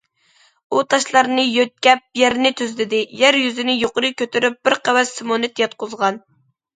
ئۇ تاشلارنى يۆتكەپ يەرنى تۈزلىدى، يەر يۈزىنى يۇقىرى كۆتۈرۈپ، بىر قەۋەت سېمونت ياتقۇزغان.